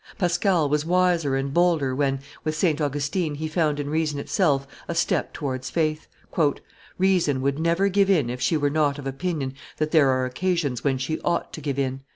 Pascal was wiser and bolder when, with St. Augustine, he found in reason itself a step towards faith. "Reason would never give in if she were not of opinion that there are occasions when she ought to give in."